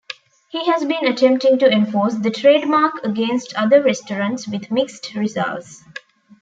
He has been attempting to enforce the trademark against other restaurants with mixed results.